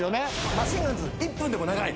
マシンガンズ１分でも長い。